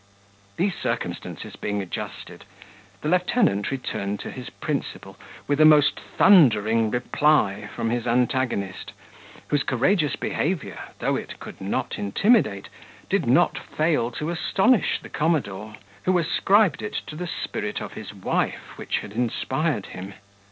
These circumstances being adjusted, the lieutenant returned to his principal with a most thundering reply from his antagonist, whose courageous behaviour, though it could not intimidate, did not fail to astonish the commodore, who ascribed it to the spirit of his wife, which had inspired him.